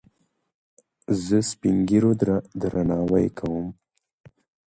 زه سپينږيرو درناوی کوم.